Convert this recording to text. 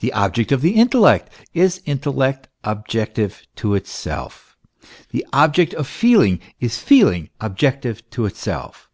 The object of the intellect is intellect objective to itself; the object of feeling is feeling objective to itself.